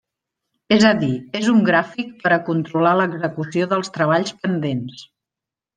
És a dir, és un gràfic per a controlar l'execució dels treballs pendents.